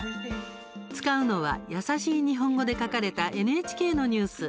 使うのは「やさしい日本語」で書かれたＮＨＫのニュース。